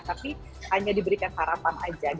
tapi hanya diberikan harapan aja